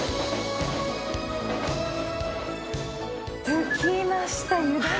着きました湯田中。